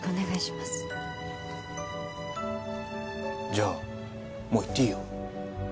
じゃあもう行っていいよ